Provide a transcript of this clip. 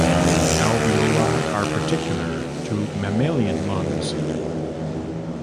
Alveoli are particular to mammalian lungs.